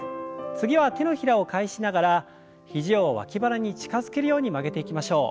次は手のひらを返しながら肘を脇腹に近づけるように曲げていきましょう。